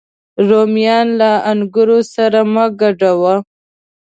رومیان له انګورو سره مه ګډوه